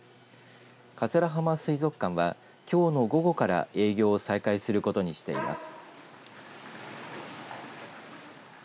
桂浜水族館はきょうの午後から営業を再開することにしています。